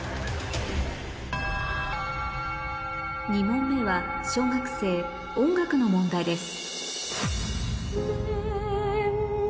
２問目は小学生音楽の問題です